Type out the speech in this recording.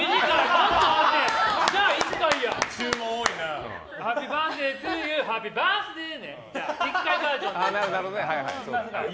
ちょっと待ってよ！